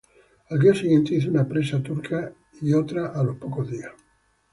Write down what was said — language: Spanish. Al día siguiente hizo una presa turca y otra a los pocos días.